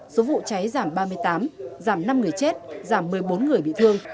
số vụ cháy giảm ba mươi tám giảm năm người chết giảm một mươi bốn người bị thương